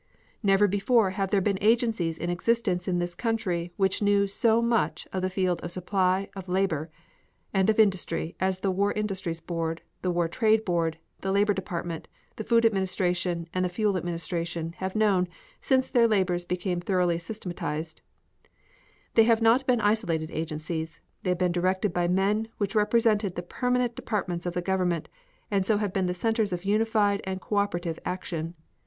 "Never before have there been agencies in existence in this country which knew so much of the field of supply of labor, and of industry as the War Industries Board, the War Trade Board, the Labor Department, the Food Administration and the Fuel Administration have known since their labors became thoroughly systematized; and they have not been isolated agencies; they have been directed by men which represented the permanent departments of the government and so have been the centers of unified and co operative action.